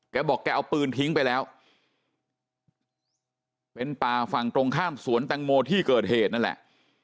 แกบอกแกเอาปืนทิ้งไปแล้วเป็นป่าฝั่งตรงข้ามสวนแตงโมที่เกิดเหตุนั่นแหละ